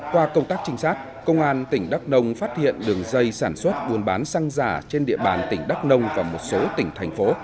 qua công tác trinh sát công an tỉnh đắk nông phát hiện đường dây sản xuất buôn bán xăng giả trên địa bàn tỉnh đắk nông và một số tỉnh thành phố